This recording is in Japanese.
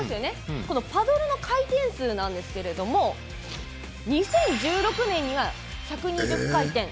このパドルの回転数なんですけども２０１６年には１２０回転。